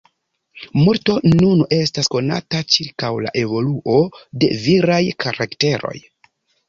Multo nun estas konata ĉirkaŭ la evoluo de viraj karakteroj.